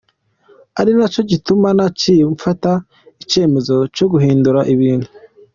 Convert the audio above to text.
Ari naco gituma naciye mfata icemezo co guhindura ibintu".